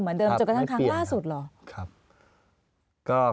ถึงกระทั่งครั้งล่าสุดหรือครับไม่เปลี่ยน